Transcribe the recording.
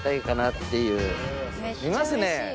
いますね。